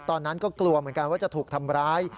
ตอนนั้นก็กลัวเหมือนกันว่าจะถูกทำร้าย